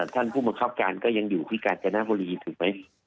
ท่านผู้มาเคิบการก็ยังอยู่พิการจานภูเรีย์ถูกไหม